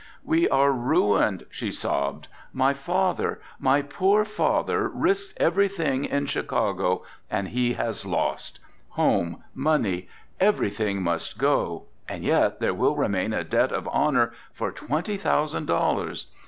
"We are ruined," she sobbed. "My father, my poor father risked everything in Chicago and he has lost. Home, money, everything must go and yet there will remain a debt of honor for twenty thousand dollars.